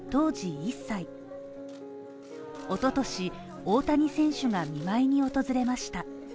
一昨年、大谷選手が見舞いに訪れました。